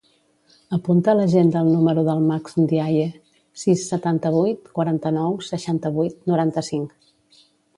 Apunta a l'agenda el número del Max Ndiaye: sis, setanta-vuit, quaranta-nou, seixanta-vuit, noranta-cinc.